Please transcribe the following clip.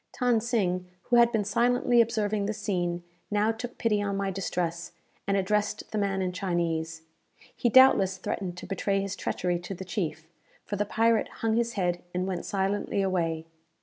Than Sing, who had been silently observing this scene, now took pity on my distress, and addressed the man in Chinese. He doubtless threatened to betray his treachery to the chief; for the pirate hung his head, and went silently away.